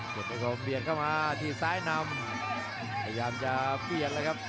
จุดประสงค์เบียดเข้ามาที่ซ้ายนำพยายามจะเบียดเลยครับ